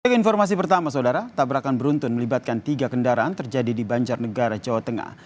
keinformasi pertama saudara tabrakan beruntun melibatkan tiga kendaraan terjadi di banjarnegara jawa tengah